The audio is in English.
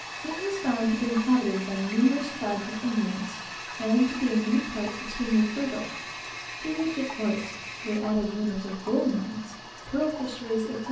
It was found to be inhabited by numerous tribes of Indians, and to be in many parts extremely fertile; to which, of course, was added rumors of gold mines, pearl fishery, etc.